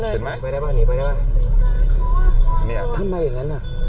ขายคลิปปะ